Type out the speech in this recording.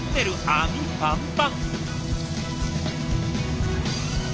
網パンパン！